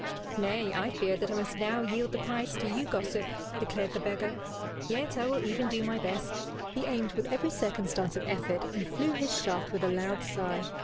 "Nay, I fear that I must now yield the prize to you, gossip," declared the beggar. "Yet I will even do my best." He aimed with every circumstance of effort, and flew his shaft with a loud sigh.